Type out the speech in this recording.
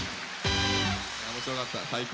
面白かった最高。